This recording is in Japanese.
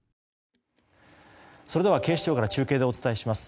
それでは警視庁から中継でお伝えします。